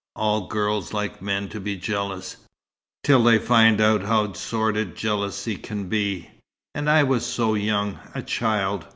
All girls like men to be jealous till they find out how sordid jealousy can be. And I was so young a child.